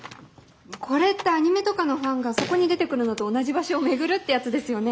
これってアニメとかのファンがそこに出てくるのと同じ場所を巡るってやつですよね？